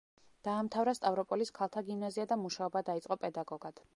დაამთავრა სტავროპოლის ქალთა გიმნაზია და მუშაობა დაიწყო პედაგოგად.